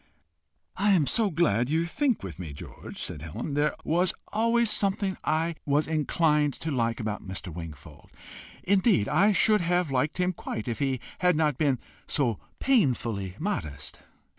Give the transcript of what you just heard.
"I am so glad you think with me, George!" said Helen. "There was always something I was inclined to like about Mr. Wingfold. Indeed I should have liked him quite if he had not been so painfully modest."